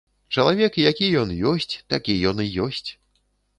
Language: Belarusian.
Чалавек які ён ёсць, такі ён і ёсць.